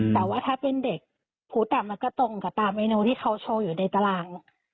แต่ว่าถ้าเป็นเด็กหูต่ำมันก็ตรงกับตามเมนูที่เขาโชว์อยู่ในตาราง